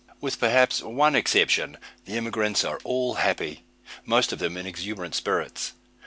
With perhaps one exception, the emigrants are all happy, most of them in exuberant spirits.